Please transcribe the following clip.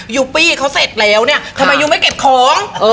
ปี้เขาเสร็จแล้วเนี่ยทำไมยูไม่เก็บของ